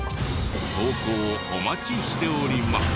投稿お待ちしております。